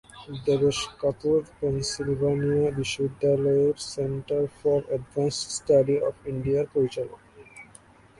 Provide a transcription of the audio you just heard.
Debesh Kapoor Pennsylvania বিশ্ববিদ্যালয়ের centre for advanced study of ইন্ডিয়ার পরিচালক।